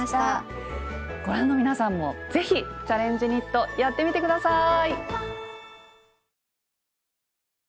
ご覧の皆さんも是非「チャレンジニット」やってみて下さい。